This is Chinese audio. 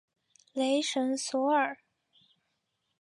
雷神索尔。